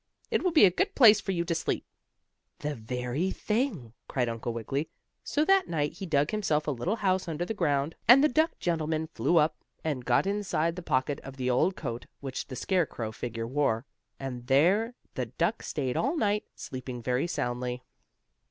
"It will be a good place for you to sleep." "The very thing!" cried Uncle Wiggily. So that night he dug himself a little house under the ground, and the duck gentleman flew up, and got inside the pocket of the old coat which the scarecrow figure wore, and there the duck stayed all night, sleeping very soundly.